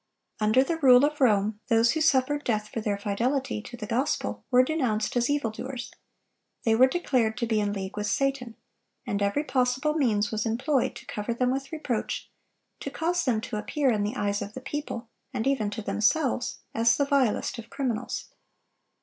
Under the rule of Rome, those who suffered death for their fidelity to the gospel were denounced as evil doers; they were declared to be in league with Satan; and every possible means was employed to cover them with reproach, to cause them to appear, in the eyes of the people, and even to themselves, as the vilest of criminals.